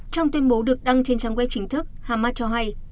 trong tuyên bố được đăng trên trang web chính thức hamas cho hay